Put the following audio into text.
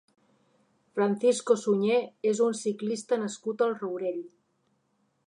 Francisco Suñé és un ciclista nascut al Rourell.